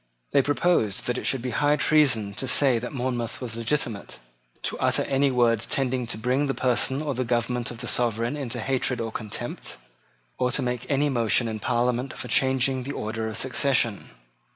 They proposed that it should be high treason to say that Monmouth was legitimate, to utter any words tending to bring the person or government of the sovereign into hatred or contempt, or to make any motion in Parliament for changing the order of succession.